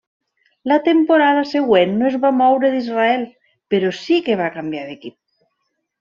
La temporada següent no es va moure d'Israel però sí que va canviar d'equip.